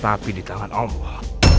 tapi di tangan allah